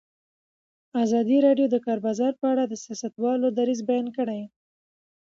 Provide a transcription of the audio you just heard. ازادي راډیو د د کار بازار په اړه د سیاستوالو دریځ بیان کړی.